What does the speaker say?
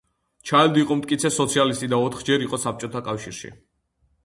ჩაილდი იყო მტკიცე სოციალისტი და ოთხჯერ იყო საბჭოთა კავშირში.